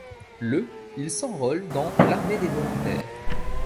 Le il s’enrôle dans l’Armée des volontaires.